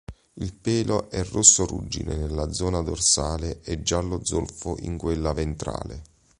Il pelo è rosso-ruggine nella zona dorsale e giallo zolfo in quella ventrale.